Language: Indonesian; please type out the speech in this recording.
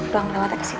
bang lewat dekat situ